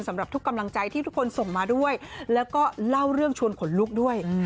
สำหรับทุกกำลังใจที่ทุกคนส่งมาด้วยแล้วก็เล่าเรื่องชวนขนลุกด้วย